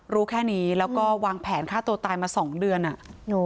รู้แค่นี้แล้วก็วางแผนฆ่าตัวตายมาสองเดือนอ่ะ